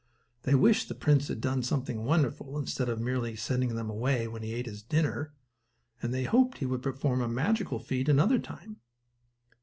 They wished the prince had done something wonderful, instead of merely sending them away when he ate his dinner, and they hoped he would perform a magical feat another time.